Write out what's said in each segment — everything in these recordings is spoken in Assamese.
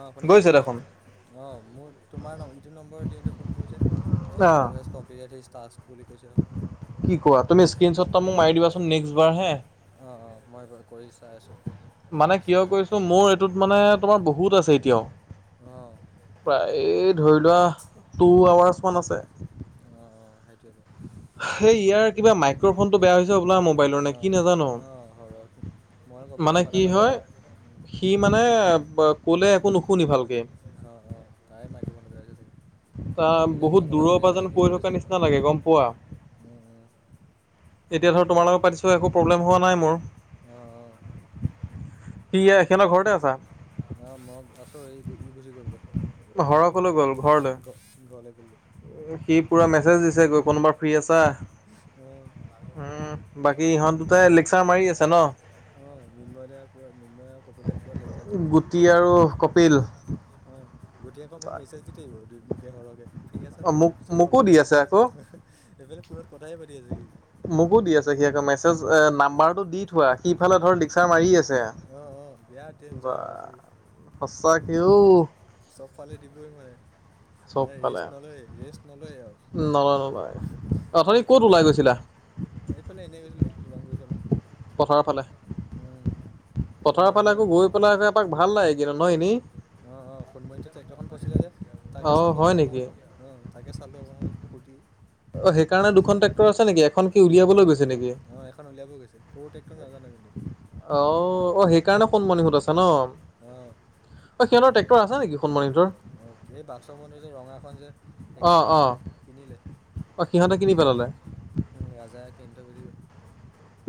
অ', শুনিছা? গৈছে দেখোন। অ', মোৰ তোমাৰ ইটো নম্বৰ দিওঁতে ফোন কৰিছে। দিছ কল অ'। হেছ কমপ্লিটএড হিছ টাস্ক বুলি কৈছে। কি কোৱা, তুমি স্ক্ৰীনশট এটো মাক মাৰি দিবাচোন নেক্সট বাৰ হে? অ', অ', মই কৰি চাই আছোঁ। মানে কিয় পিছত কৈছোঁ মোৰ এইটোত মানে তোমাৰ বহুত আছে এতিয়াও। অ'। প্ৰাইয়ে ধৰি লোৱা টু আৱাৰ্চ মান আছে। অ', সেইটোয়েটো। সেই উম, ইয়াৰ কিবা মাইক্ৰফোনটো বেয়া হৈছে হ'বলা মোবাইলৰ নে কি অ', নাজানো। অ', হয় [unintelligible] মই কপিলে মানে কথা কি পাতিছো, হয় উম। সি মানে ব ক'লে একো নু অ', অ', তাই [unintelligible] তাৰ কপিলে মই বহুত কথা দূৰৰ পাতি পৰা আছোঁ যেন ঠিকেই কৰি কৈ আছে থকা অ', নিচিনা লাগে, গম পোৱা। উম, উম, এতিয়া ধৰ বাকী তোমাৰ লগত পাতিছো একো প্ৰব্লেম হোৱা নাই মোৰ। [unintelligible] কি এয়া সিঁহতৰ ঘৰতে আছা। অ', মই আছো, এই ই গুচি গ'লগে। ঘৰৰ ক'লৈ [unintelligible] ঘ ঘৰলে গ'লগে। উম, সি পোৰা মেছেজ দিছে গৈ কোনোবা ফ্ৰী আছা। অ', উম বাকী ইহঁত দুটাই লেকচাৰ মাৰি আছে ন [unintelligible] অ', মৃন্ময় দাই পোৰা মৃন্ময় আৰু কপিলে পোৰা লেকচাৰ দি আছে। গুটি আৰু কপিল অ', [unintelligible] আকৌ মোক মেছেজ দি থাকিব মোকে [unintelligible] ফ্ৰী আছা অ নেকি মোক বোলে পিছত কল মোকো কৰি দি আছোঁ, আছে আকৌ সেইফালে ফোনত কথাইে পাতি আছে সি। মোকো দি আছে সি আকৌ মেছেজ এ নাম্বাৰটো দি থোৱা, সি ইফালে ধৰ লেকচাৰ মাৰি আছ অ', অ', বেয়া [unintelligible] বা ডেঞ্জাৰ হৈ আছে সি। সঁচাকে অ'। চবফালে দিবই মানে। মানে চবফালে ৰেষ্ট নলয়, ৰেষ্ট নলয়েই নলয় নলয় আও। অথনি ক'ত ওলাই গৈছিলা। এইফালে এনে গৈছিলো, দলংগুৰি ফালে। পথাৰৰ ফালে। উম। পথাৰৰ সোণমণি ফালে দা আকৌ গৈ পেলাই আকৌ এপাক ভাল লাগে কিন্তু ন এনেই। অ', অ', সোনমণিহতে যে ট্ৰেক্টৰখন ফচিলে যে, তাকে অ চালোঁ হয় অকণ নেকি সময়। অ', তাকে চালোঁ অকণমান সময়, ফূৰ্তি। অ সেইকাৰণে দুখন ট্ৰেক্টৰ আছে নেকি এখন কি উলিয়াবলৈ অ', গৈছে নেকি অ', এখন উলিয়াব গৈছিল। সৰু টেক্টৰ নাজানে কিন্তু। অ', অ', সেইকাৰণে সোনমণি হত আছে ন। অ', এই সিহঁতৰ ট্ৰেক্টৰ আছে নেকি সন্মানিতৰ? [unintelligible] মন্দিৰৰ যে ৰঙাখন যে। এইখন অ', অ', কিনিলে-কিনিলে। অ', সিহঁতে কিনি পেলালে। উম, ৰাজাই কিনি থৈ গুছি গ'ল।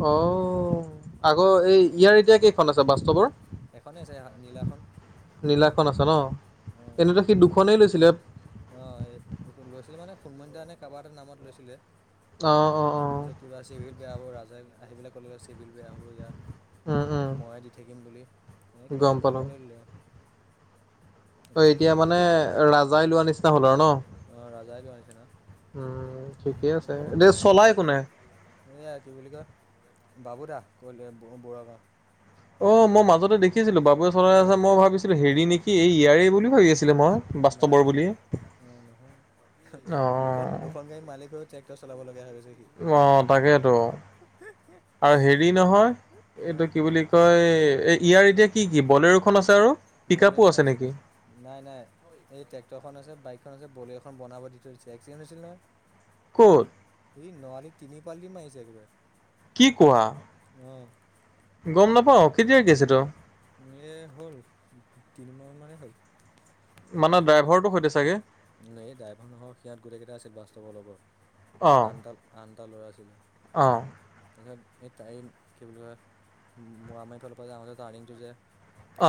অ', আগৰ এই ইয়াৰ এতিয়া কেইখন আছে বাস্তৱৰ। এখনেই আছে নীলাখন নীলাখন আছে ন, এনেতো সি দুখনেই লৈছিলে। অ', এইখন লৈছিলে মানে সোনমনি দাহঁতে কাবাৰ এটা নামত লৈছিলে। অ', অ', অ', অ'। তাৰপিছত কিবা চিভিল বেয়া হ'ব ৰাজাই আহি পেলাই ক'লে চিভিল বেয়া হ'ব ইয়াৰ। উম। উম, ময়ে দি থাকিম বুলি, মানে কিবা গম এটা পালোঁ। কৰি লৈ ল'লে আৰু। অ', তেনেকৈ কৰি এতিয়া লৈ মানে ৰাজাই লোৱা নিচিনা হ'ল আৰু ন। অ', ৰাজাই লোৱা হৈছে উম, ঠিকে ন, আছে। হ'ব এতিয়া [unintelligible] চলাই কোনে? এইয়া কি বুলি কয়, বাবু দা [unintelligible] বুঢ়াগাওঁ। অ', মই মাজতে দেখিছিলোঁ বাবুৱে চলাই গাঁও আছে মই ভাবিছিলোঁ হেৰি নেকি এই ইয়াৰেই বুলি ভাবি আছিলোঁ। মই অ', বাস্তৱৰ নাই-নাই বুলি। অ', নহয় অ', দুখন-দুখন গাড়ী মালিক হৈ টেক্টৰ চলাব লগিয়া হৈ গৈছে। সি। অ', তাকেইতো। আৰু হেৰি নহয়, অ', এইটো কি বুলি কয় এই ইয়াৰ এতিয়া কি-কি বলেৰোখন আছে আৰু পিক আপো আছে নেকি? নাই-নাই। এই ট্ৰেক্টৰখন আছে বাইকখন আছে বলেৰো এখন বনাব দি থৈছে একছেন্স হৈছিল নহয়? ক'ত? সি নুৱাৰালি তিনি পালটি মাৰিছে একবাৰে। কি কোৱা? অ'। গম নাপাওঁ, কেতিয়া কেছ এইতো? এ হ'ল, তিনিমাহ মানেই হ'ল। মানে ড্ৰাইভৰটো সৈতে চাগে? এই ড্ৰাইভৰ নহয় সিয়াত গোটেই কেইটা আছিল বাস্তৱৰ লগৰ, অ আনাটাল আনটা ল'ৰা আছিলে। অ'। তাৰপিছত এই [unintelligible] কি বুলি কয়, মমাৰি ফালৰ পৰা যাওঁতে টাৰ্ণিংটো যে?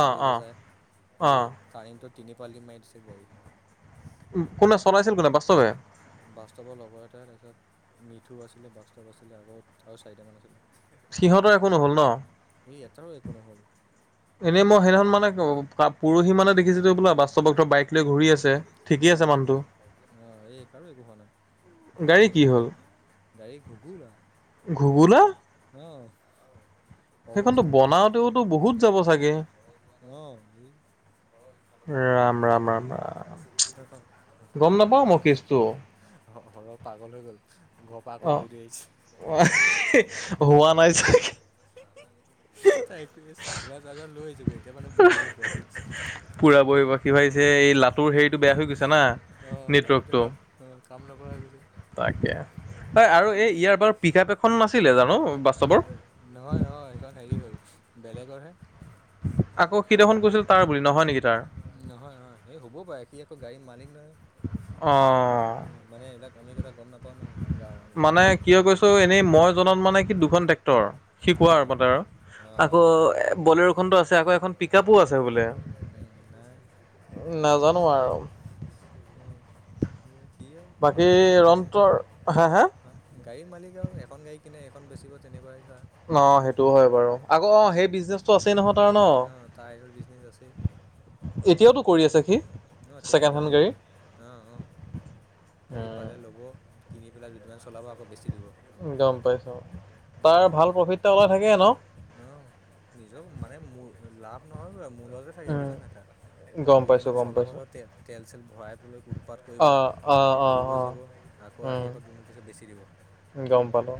অ অ যায় অ এই টাৰ্ণিং টো তিনি পালটি মাৰি দিছে গাড়ী। কোনে, চলাইছিল কোনে বাস্তৱে? বাস্তৱৰ লগৰ এটা তাৰপিছত মিথু আছিলে বাষ্টৱ আছিলে আৰু আৰু চাৰিটামান আছিলে। সিহঁতৰ একো নহ'ল ন এই এটাৰো একো নহ'ল। এনেই মই হেদিনাখন মানে পুৰহী মানে দেখিছিলোঁ হবলা? বাস্তৱ বাইক লৈ ঘূৰি আছে। ঠিকেই আছে অ', অ', মানুহটো অ', এই কাৰো একো হোৱা নাই। গাড়ী ভগৱানৰ কি হ'ল কৃপাত, গাড়ী ঘুগোলা। ঘুগুলা অ'। সেইখনতো অৱস্থা নাই গাড়ি, বনাওতেওতো বহুত যাব চাগে অ', [unintelligible] ৰাম-ৰাম-ৰাম-ৰাম। [unintelligible] সৰহ পাগল মই কেচটো হৈ গল। ঘৰৰপা আকৌ অ দৌৰি-দৌৰি আহিছে। [unintelligible] হোৱা নাই চাগে। তাই একো হে চাৰ্জাৰ-চাৰ্জাৰ লৈ আহিছোগে এতিয়া মানে বহিব পৰা ঠিকছে। পুৰা বহিবাসী ভাবিছে এই লাটোৰ হেৰিটো বেয়া হৈ গৈছে না অ', লাডোতে কাম অ', কাম নকৰা হৈ গৈছে। [unintelligible] এই আৰু এই ইয়াৰ বাৰ এই পিক আপ এখন নাছিলে জানো? বাস্তৱৰ [unintelligible] নহয়-নহয় এইখন হেৰি হ'ল, বেলেগৰ হে। আকৌ সি দেখোন কৈছিল তাৰ বুলি, নহয় নেকি তাৰ? নহয়-নহয় সেই হ'ব পাৰে সি একৌ গাড়ীৰ মালিক নহয়। অ উম, মানে এইবিলাক আমি কটা গম নাপাওঁ ন। গাঁৱৰ মানে পৰিয়াল কিয় মানুহ কৈছোঁ, এনেই মই জনাত মানে সি দুখন ট্ৰেক্টৰ। সি কোৱাৰ অ', মতে আৰ, আকৌ এ বলেৰো [unintelligible] উম নাই। নাজানো আৰু অ', সিয়ে অও বাকী মালিক আও গাড়ি মালিক। ৰন্তৰ হা হা [unintelligible] গাড়ীৰ মালিক আৰু এখন গাড়ী কিনে এখন বেচিব তেনেকুৱাই [unintelligible] অ', সেইটোও হয় বাৰু। আকৌ অ', উম, সেই বিজনেচ অ', তাৰ [unintelligible] বিজনেছ আছেই। এতিয়াওতটো কৰি আছে সি? অ', ছেকেণ্ড তেনেকুৱা হেণ্ড গাড়ী এয়া। অ', অ', গাড়ী পালে ল'ব, কিনি পেলাই দুদিনমান চলাব আকৌ বেছি দিব। গম পাইছোঁ, উম। পায় ভাল প্ৰফিট এটা ওলাই থাকে ন। অ', নিজৰ মানে মোৰ লাভ নহয় বাৰু মোৰ লগতে তাকে উম বুইছা নাই তাৰ, গম পাইছোঁ দুইদিমান চ গম চলাব পাইছোঁ ন, তে তেল চেল ভৰায় পিনে উৎপাত কৰিব, অ অ অ ঘূৰিব অ যাব। আকৌ আহি আকৌ উম দুদিন পিছত বেচি দিব। গম পালো,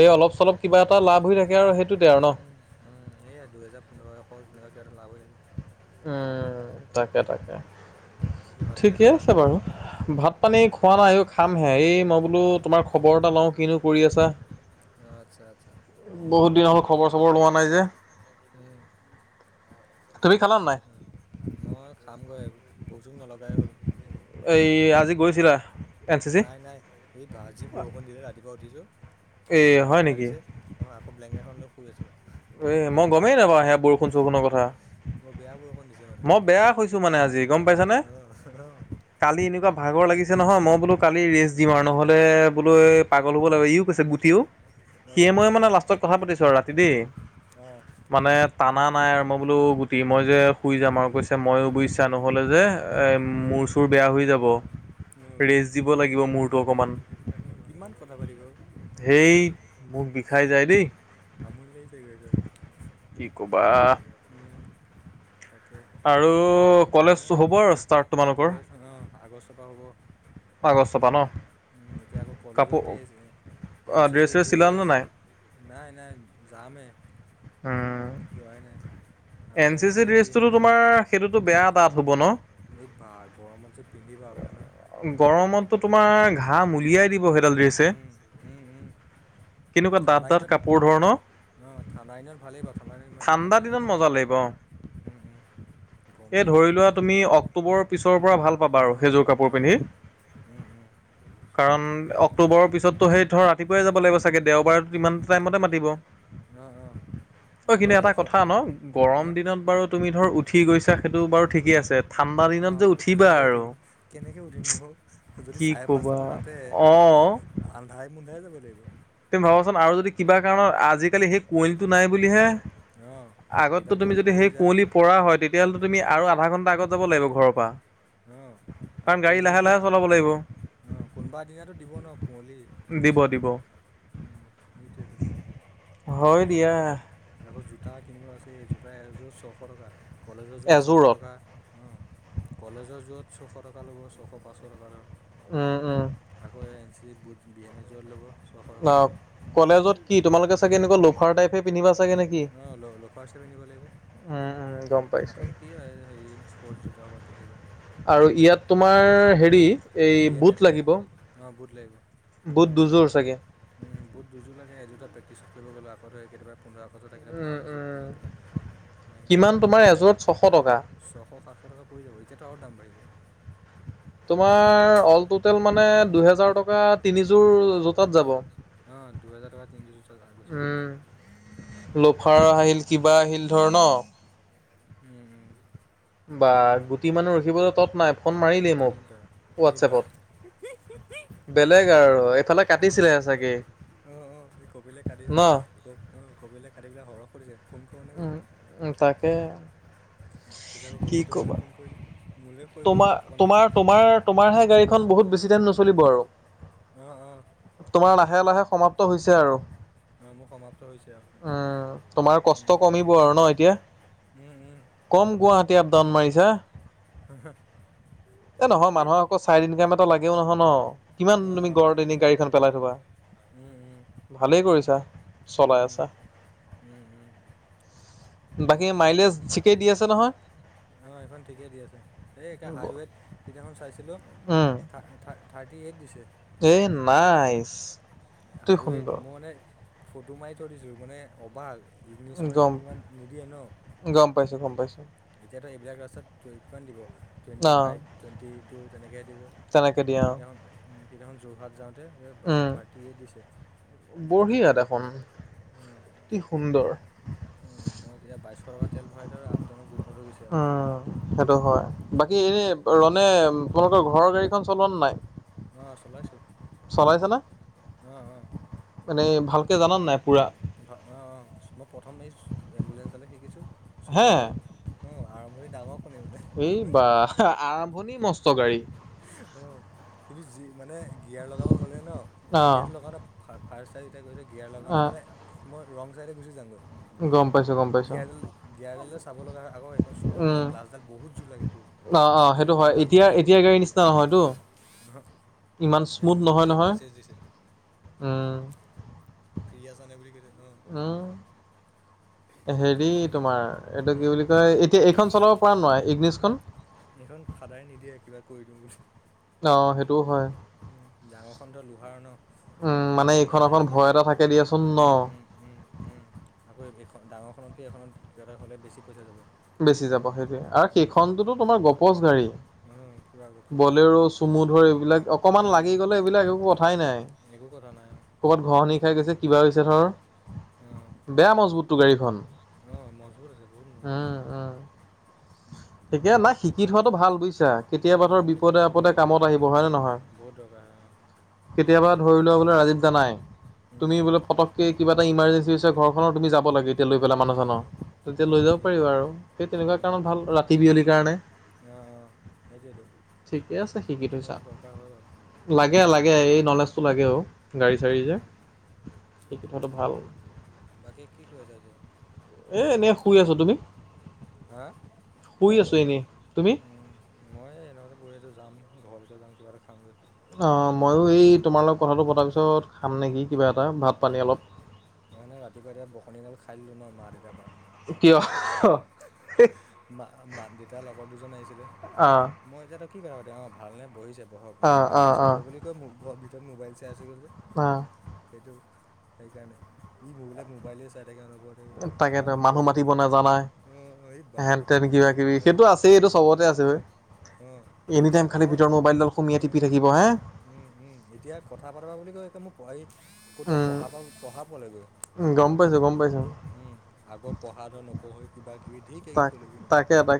এই অলপ চলপ কিবা এটা লাভ হৈ থাকে আৰু সেইটোতে আৰু ন। উম, উম, এইয়া দুহেজাৰ পোন্ধৰশ তেনেকুৱা কিবা এটা লাভ হৈ থাকে। উম, তাকে- তাকে উম, বাকী ভাত পানী ঠিকে খালা? আছে বাৰু। ভাত পানী খোৱা নাই অ', খামহে, এই মই বোলো তোমাৰ খবৰ এটা লওঁ কিনো কৰি আছা। অ', চা আতচ্ছা। বহুত দিন হ'ল খবৰ চবৰ লোৱা নাই যে। [unintelligible] তুমি খালা নাই। মই খামগৈ আৰু ভুক চুক নলগাই হ'ল। এই আজি গৈছিলা এন চি চি [unintelligible] নাই- নাই। এই বা যি বৰষুণ দিলে, ৰাতিপুৱা উঠিছোঁ, এই হৰ হয় হৰাই নেকি দিছে। অ', আকৌ ব্লেংকেতখন লৈ শুই আছোঁ। [unintelligible] এ মই গমেই নাপাওঁ সেয়া বৰষুণ চৰষুণৰ কথা, বৰ বেয়া বৰষুণ দিছে মানে। মই বেয়া হৈছো মানে আজ জি গম অ', পাইছানে, কালি এনেকুৱা ভাগৰ লাগিছে নহয়, মই বোলো কালি ৰেচ দিম আৰু নহ'লে বোলো এ পাগল হ'ব লাগিব ইও কৈছে গুট তিও, অ', সিয়ে মই অ', মানে লাষ্টত কথা পাতিছো আৰু ৰাতি দেই। অ'। মানে টানা নাই আৰু মই বোলো গোট বি মই যে শুই যাম আও কৈছে মইয়ো বুইছা নহ'লে যে এ উম, মোৰ চুৰ বেয়া হৈ যাব, উম, ৰেষ্ট দিব কিমান লাগিব মূৰটো অকমান। কিমান কথা পাতিবা। সেই মোক বিষাই যায় দেই আমনি লাগি যায়গে গৈ। কি ক'বা। উম, তাকে। আৰু হা কলেজটো হ'ব আৰু ষ্টাৰ্ট তোমালোকৰ। কলেজ অ', আগষ্টৰ পৰা হ'ব আগষ্ট পা ন, উম, এতিয়া আকৌ কলেজৰ কাপোৰ ড্ৰেছ ড্ৰেছ চেছ চিলালা নে নাই। নাই-নাই যাম হে। উম। যোৱাই নাই। এন চি চি ড্ৰেচটোতো তোমাৰ সেইটোতো বেয়া খাক, ডাঠ হ'ব ন এই বা গৰমত যে পিন্ধিবা কৈছোঁ নহয়। গৰমতটো তোমাৰ ঘাম উলিয়াই দিব সেইডাল ড্ৰেছ। উম, উম, উম। কেনেকুৱা ডাঠ ঠাণ্ডা ডাঠ দিনত, কাপোৰ ধৰণৰ অ', ঠাণ্ডা দিনত ভালেই বাও ঠাণ্ডা দিনত ইমান চিন্তা ঠাণ্ডা নাই। দিনত মজা লাগিব অ উম, উম, গৰম এই দিনত। ধৰি লোৱা তুমি অক্টোবৰৰ পিছৰ পৰা ভাল পাবা আৰু অ', সেইযোৰ কাপোৰ অ', পিন্ধি, অ', উম, উম, কাৰণ এতিয়া অক্টোবৰৰ পিছত ত' সেই ধৰ ৰাপুৱাই যাব লাগিব চাগে, দেওবাৰেতো ইমান টাইমতে মাতিব। অ', আকৌ কিন্তু এটা এই কথা ন গৰম হা দিনত বাৰু তুমি ধৰ উঠি গৈছা, সেইটো বাৰু ঠিকেই আছে। ঠাণ্ডা দিনত যে অ', অ', উঠিবা কেনেকে আৰু উঠিম কেনেকে উঠিম অ', যদি কি চাৰে ক'বা পাঁচটাত মাতে। অ আন্ধাৰে মুন্ধাৰে যাব লাগিব। তুমি ভাবাচোন আৰু যদি কিবা কাৰণত আজিকালি সেই কুঁৱলীটো নাই বুলিহে। অ', সেইডাল আগততো তুমি কুঁৱলী যদি পৰি সেই যায় কুঁৱলী পৰা হয় তে তিয়া হ'লেটো তুমি আৰু আধা ঘণ্টা আগত যাব লাগিব ঘৰৰ পা। অ'। আৰু কাৰণ গাড়ী লাহে- কুঁৱলীটোত লাহে চলাব লাগিব। অ', কোনোবা এদিনাতো দিব ন কুঁৱলী। দিব ঠিকছে, দিব উম, সেইটোৱেইতো, হয় আকৌ যো দিয়া আকৌ জোতা কিনিব আছেই, জোতা এযোৰ ছশ টকা, কলেজৰ যোৰত ছশ এযোৰত টকা, অ'। কলেজৰ যোৰত ছশ টকা ল'ব, ছশ পাঁচশ টকা ধৰ। উম, উম। আকৌ এ N C boot B M S য'ত ল'ব। ছশ টকা অ', কলেজত কি তোমালোকে চাগে এনেকুৱা লোফাৰ টাইপে পিন্ধিবা চাগে নে অ', ল ল'ফাৰছহে পিন্ধিব লাগিব। উম উম গম পাইছো আকৌ নো কি হয় হেৰি স্প'ৰ্ট জোতাসোপা পিন্ধিবা। আৰু ইয়াত তোমাৰ হেৰি এই B M boot S S, লাগিব অ', বোট লাগিব। বুট দুযোৰ চাগে। উম, বুট দুযোৰ লাগে এজোৰটা প্ৰেকটিছত কৰিব গ'লে আকৌ ধৰ এই কেতেবা পোন্ধৰ [unintelligible] থাকিলে উম ভাল এযোৰ উম কিনি পেলাই, এনেকে। কিমান তোমাৰ এযোৰত ছশ টকা ছশ সাতশ টকা পৰি যাব, এতিয়াতো আৰু দাম বাঢ়িব। তোমাৰ অল টোটেল মানে দুহেজাৰ টকা তিনিযোৰ জোতাত যাব। অ', দুহেজাৰ টকা তিনি [unintelligible] গুচি যাব। লোফাৰ আহিল কিবা আহিল ধৰ ন। উম, উম। বা গুটি মানুহ ৰখিবলৈ তত নাই। ফোন মাৰিলেই মোক, এই বা এই বা হোৱাটচেপত। বেলেগ আৰু এইফালে অ কাটিছিলেহে চাগে। অ', অ', কবিলে কাটিছে, ন অ', কবিলে কাটিলে হৰক সুধিছে, ফোন কৰোনে উম, বোলে। উম, তাকে। তেতিয়া আকৌ কি গ'দিয়ে তোমালে ক'বা ফোন কৰিলে। মোলৈ কৰিব আকৌ তোমাৰ অকণ পিছত তোমাৰ- তোমাৰ তোমাৰহে গাড়ীখন বহুত বেছি টাইম নচলিব আৰু। অ', অ'। তোমাৰ লাহে- লাহে সমাপ্ত হৈছে আৰু। অ মোৰ সমাপ্ত হৈছে আৰু উম, তোমাৰ কষ্ট উম কমিব আৰু ন এতিয়া। উম উম কম গুৱাহাটী আপ ডাউন মাৰিছা। [unintelligible] এ নহয় মানুহক আকৌ ছাইট ইনকাম এটা লাগেও নহয় ন। কিমান অ তুমি অ ঘৰত লাগে এনে লাগে গাড়ীখন পেলাই থ'বা, উম উম ভালেই কৰিছা। চলাই উম, আছা উম, উম। বাকী মাইলেজ ঠিকেই দি আছে নহয়। অ', সেইখন ঠিকেই দি আছে, এই এতিয়া হাইৱেত সিদিনাখন চাইছিলোঁ উম থা- থা থাৰটি এইট দিছে। এই নাইচ, অতি হাইৱেত সুন্দৰ। মই মানে ফটো মাৰি থৈ দিছোঁ, মানে অবাক ইগনিছখনে গম এনেকোৱা গম পাইছো গম পাইছোঁ। এতিয়াতো এইবিলাক ৰাষ্টাত [unintelligible] দিব। অ টুৱেণ্টি ফাইভ টুৱেণ্টি টু তেনেকেহে দিব। কেনেকে দিয়া অ সেইদিনাখন উম, সেইদিনাখন যোৰহাট যাওঁ এ বা উম থাৰ্টিএইট দিছে, বঢ়িয়া দেখোন উম। কি সুন্দৰ। উম, মই তেতিয়া বাইছশ টকা তেল ভৰাই থৈ আপডাউন [unintelligible] উম। সেইটো হয়, বাকী এনে ৰনে তহঁতৰ ঘৰৰ গাড়ীখন চলাওঁ নাই। অ', চলাইছোঁ চলাইছে নে? অ', অ'। মানে ভালকে জান নাই পোৰা। অ', মই প্ৰথমেই এই এম্বুলেঞ্চলেহে শিকিছোঁ। হে চুমৰডাল অ', আৰম্ভণি ডাঙৰ শুনিবলে। এই বাহ। আ আৰম্ভণি মস্ত গাড়ী। অ', কিন্তু যি মানে গিয়াৰ লগাব হ'লে ন, অ', গিয়াৰটো লগাওঁতে ফা ফাৰ্ষ্ট চাইডে যেতিয়া গৈছে, গিয়াৰ লগাওতে অ', মানে মই ৰং ছাইডে গুচি যাওঁগৈ, গম পাইছোঁ, গম পাইছোঁ। গিয়াৰ গেয়াৰদালো চাব লগা আকৌ এইখন উম, চুম'খনত ক্লাছডাল বহুত জোৰ লাগেতো, অ', অ', সেইটো গোটেই হয়। মানুহগাল এতিয়া উঠি যাব এতিয়াৰ গাড়ীৰ নিচিনা নহয়তো। ইমান স্মুথ [unintelligible] নহয় গোটিয়ে নহয়। মেছেজ দিছে। উম। ফ্ৰী আছা নে বুলি কৈছে অঁ উম, হেৰি তোমাৰ এইটো কি হুম, বুলি কয় এই এতিয়া এইখন চলাব পাৰা নোৱাৰা, ইগনিছখন। এইখন ফাদাৰে নিদিয়ে কিবা কৰি দিওঁ বুলি। অ', সেইটোও হয়। উম, ডাঙৰখনটো লোহাৰ ন, উম, মানে ইমান চিন্তা এইখন নাই অকণ ভয় কিবাকিবি এটা হ'লে, থাকে দিয়াচোন ন? উম, উম। উম, উম, আকৌ এখন ডাঙৰখনতকে এখনত কিবা এটা হ'লে বেছি পইচা যাব। বেছি যাব সেইটোৱে, আৰু উম সেইখনটোতো তোমাৰ গপচ গাড়ী। উম, পোৰা গ বলেৰো চুমু ধৰ এইবিলাক অকমান উম লাগি উম গ'লে এইবিলাক একো কথাই নাই। একো কৰা নাই অ'। ক'ৰবাত ঘহঁনি খাই গৈছে, কিবা হৈছে ধৰ। অ'। বেয়া মজবুতটো গাড়ীখন। অ', মজবুত আছে, বহুত মজবুত আছে। অ'। উম। তেতিয়া নাই শিকি থোৱাটো ভাল বুজিছা, অঁ কেতিয়াবা ধৰ অঁ কেতিয়াবা বহুত বিপদে-আপদে দৰকাৰ কামত আহিব হয় নে উম নহয়। বহুত দৰকাৰ হয় অঁ কেতিয়াবা সেইটোৱেতো ধৰি লোৱা বোলে ৰাজীৱ দা নাই, উম, তুমি বোলে ফটক কে কিবা এটা ইমাৰ্জেঞ্চি হৈছে ঘৰখনৰ তুমি যাব লাগে এতিয়া লৈ পেলাই অ', মানুহজনক, তেতিয়া লৈ অ', যাব সেইটোৱেটো পাৰিবা আৰু। সেই উম, তেনেকুৱা উম, কাৰণত ভাল, ৰাতি বিয়লিৰ কাৰণে। অ'। সেইটোৱেটো ঠিকে আছে শিকি থৈচা। তেনেকুৱা দৰকাৰ হয় বাৰু লাগে- লাগে এই নলেজটো লাগে অ', গাড়ী চাড়ী যে। উম, শিকি থোৱাটো ভাল। বাকী কি কৰি আছা এতিয়া। এই এনেই শুই আছো, তুমি। হা। শুই আছো এনে, তুমি। মই এই এহেতৰ ঘৰতে বহি আছো যাম, ঘৰলেকে যাম, কিবা এটা খামগৈ। অ', ময়ো এই তোমাৰ লগত কথাটো পতাৰ পিছত খাম নেকি কিবা এটা ভাত উম। পানী অলপ। মই মানে ৰাতিপুৱাই- ৰাতিপুৱাই বকনিগাল খাই দিলো ন মা- দেউতাৰ পা। কিয়। মা-মা দেউতাৰ লগৰ দুজন আহিছিলে, মই এতিয়া ত কি কথা পাতিম, অ', ভালনে বহিছে বহক অ মই অ আহি আছো অ ৰ'ব বুলি কৈ মোৰ ঘৰৰ ভিতৰত মোবাইল চাই আছিলোঁ যে। [unintelligible] সেইটো সেইকাৰণে, ই [unintelligible] মোবাইলেই চাই থাকে অনবৰত বোলে, তাকেতো কাম মানুহ বন নাই, মাতিব নাজানাই অ', এই বা হেন তেন কিবা কিবি, অ', সেইটো আছেই এইটো চবতে আছে অ', [unintelligible] অ', এনি এতিয়া টাইম খালি মই ভিতৰত মোবাইলডাল সুমিয়াই অ', টিপি থাকিব হে। উম, উম, এতিয়া কথা পাতবা বুলি কয় এতিয়া মোৰ [unintelligible] [unintelligible] উম পঢ়াব পঢ়াবলৈগৈ। উম, গম পাইছো গম পাইছো উম, আগৰ পঢ়াটো নপঢ়ি কিবা কিবি ধি পাই, তাকে তাক